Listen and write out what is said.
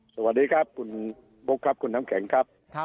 สวัสดีครับคุณบุ๊คครับคุณน้ำแข็งครับ